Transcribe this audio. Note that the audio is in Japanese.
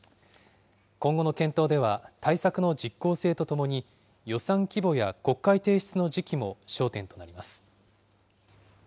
今後の検討では、対策の実効性とともに、予算規模や国会提出の時期も焦点となります。